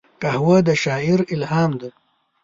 قهوه د شاعر الهام ده